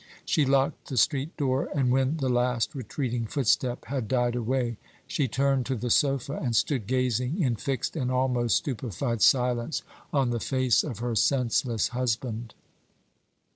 She locked the street door, and when the last retreating footstep had died away, she turned to the sofa, and stood gazing in fixed and almost stupefied silence on the face of her senseless husband.